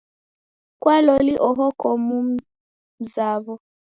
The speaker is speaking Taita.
Kwa loli oho ko mumzaw'o.